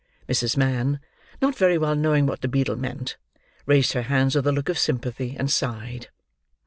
Mrs. Mann, not very well knowing what the beadle meant, raised her hands with a look of sympathy, and sighed.